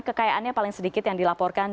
kekayaannya paling sedikit yang dilaporkan